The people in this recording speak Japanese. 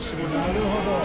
なるほど！